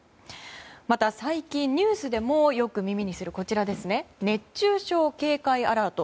また、最近ニュースでもよく耳にする熱中症警戒アラート。